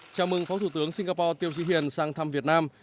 chào mừng phó thủ tướng singapore tiêu trí hiển sang thăm việt nam